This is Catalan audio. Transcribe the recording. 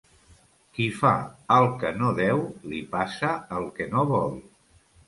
Qui fa el que no deu, li passa el que no vol.